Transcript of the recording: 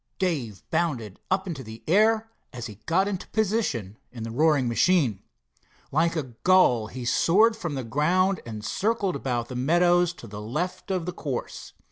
Dave bounded up into the air, as he got into position in the roaring machine. Like a gull he soared from the ground and circled about the meadows to the left of the course.